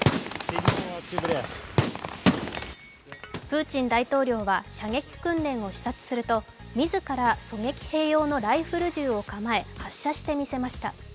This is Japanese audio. プーチン大統領は射撃訓練を視察すると、自ら狙撃兵用のライフル銃を構え発射して見せました。